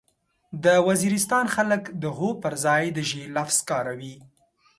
د وزيرستان خلک د هو پرځای د ژې لفظ کاروي.